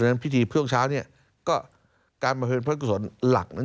ดังนั้นพิธีพวงเช้าเนี่ยก็การบริเวณพระอุฤษน